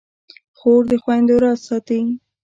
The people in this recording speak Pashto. خور د خویندو راز ساتي.